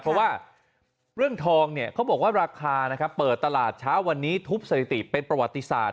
เพราะว่าเรื่องทองเขาบอกว่าราคาเปิดตลาดเช้าวันนี้ทุบสถิติเป็นประวัติศาสต